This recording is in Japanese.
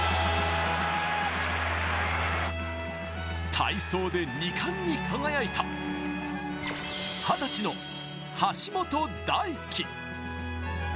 体操で２冠に輝いた二十歳の橋本大輝。